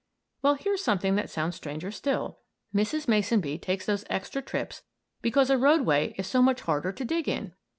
Well, here's something that sounds stranger still. Mrs. Mason Bee takes those extra trips because a roadway is so much harder to dig in!